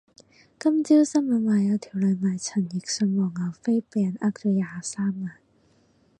今朝新聞話有條女買陳奕迅黃牛飛俾人呃咗廿三萬